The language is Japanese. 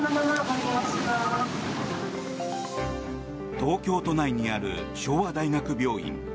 東京都内にある昭和大学病院。